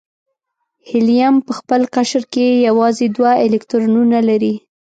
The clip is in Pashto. هیلیم په خپل قشر کې یوازې دوه الکترونونه لري.